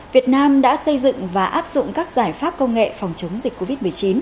việt nam đã xây dựng và áp dụng các giải pháp công nghệ phòng chống dịch covid một mươi chín